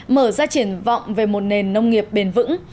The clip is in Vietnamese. mở ra triển vọng về một nền nông nghiệp bền vững